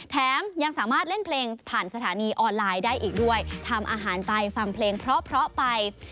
ยังสามารถเล่นเพลงผ่านสถานีออนไลน์ได้อีกด้วยทำอาหารไปฟังเพลงเพราะไป